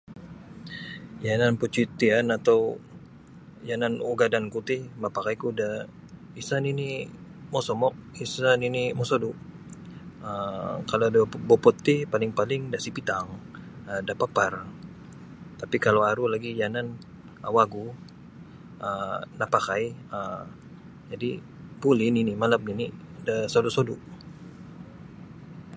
Yanan percutian atau yanan ugadanku ti mapakaiku da isa nini' mosomok isa nini' mosodu. um Kalau da Beaufort ti paling-paling da Sipitang da Papar tapi kalau aru lagi yanan wagu um napakai buli nini malap nini' da sodu-sodu'.